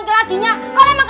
kalau kayak gitu gitu lagi